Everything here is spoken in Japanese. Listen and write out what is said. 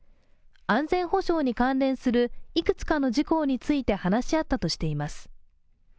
安全保障に関連するいくつかの事項について話し合ったとしています。